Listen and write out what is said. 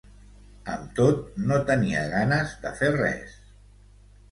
Amb tot, no tenia ganes de fer res.